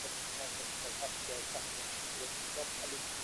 জেগে বসে আছেন কথাটা এক মুহূর্তে মধুসূদনের মনের ভিতরে গিয়ে লাগল।